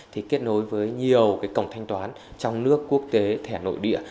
thì kết nối với nhiều cái cổng thanh toán trong nước quốc tế thẻ nội địa